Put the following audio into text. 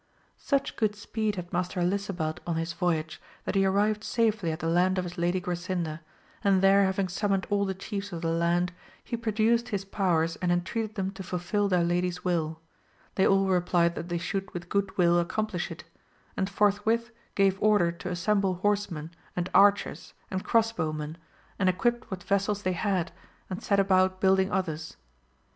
UCH good speed had Master Helisabad on his voyage, that he arrived safely at the land of his lady Grasinda, and there having summoned all the chiefs of the land, he produced his powers and entreated them to fulfil their lady's will ; they all replied that they should with good will accomplish it, and forthwith gave order to assemble horsemen, and archers, and cross bowmen, and equipped what vessels they had and set about building others.